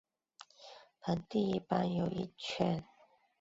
盆地一般有一圈与周边地表上撞击时所抛出岩石相隔开的主环。